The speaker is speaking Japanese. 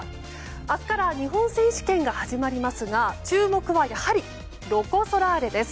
明日から日本選手権が始まりますが注目は、やはりロコ・ソラーレです。